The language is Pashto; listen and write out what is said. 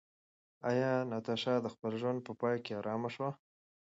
ایا ناتاشا د خپل ژوند په پای کې ارامه شوه؟